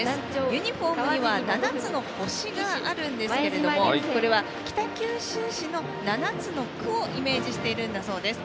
ユニフォームには７つの星があるんですけれどもこれは北九州市の７つの区をイメージしているんだそうです。